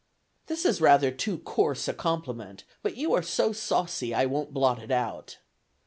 This is rather too coarse a compliment, but you are so saucy, I won't blot it out.